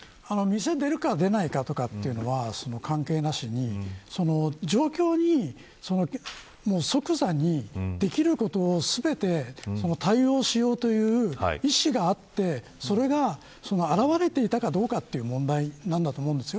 店出るか、出ないかというのは関係なしに状況に即座にできることを全て対応しようという意思があってそれが表れていたかどうかという問題なんだと思うんですよ。